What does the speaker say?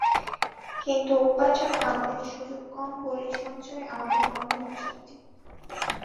কিন্তু উপার্জনে আমাদের সুযোগ কম বলেই সঞ্চয়ে আমাদের অন্ধ আসক্তি।